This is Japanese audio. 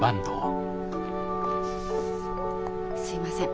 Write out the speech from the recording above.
すいません